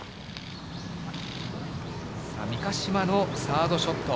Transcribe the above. さあ、三ヶ島のサードショット。